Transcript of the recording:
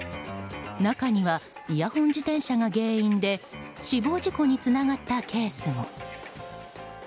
中にはイヤホン自転車が原因で死亡事故につながったケースも。